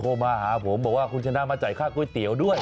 มาหาผมบอกว่าคุณชนะมาจ่ายค่าก๋วยเตี๋ยวด้วย